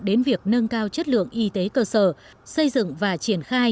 đến việc nâng cao chất lượng y tế cơ sở xây dựng và triển khai